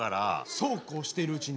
「そうこうしているうちに」。